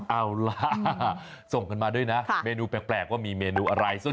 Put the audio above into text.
เอาล่ะส่งกันมาด้วยนะเมนูแปลกว่ามีเมนูอะไร